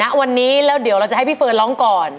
ณวันนี้แล้วเดี๋ยวเราจะให้พี่เฟิร์นร้องก่อน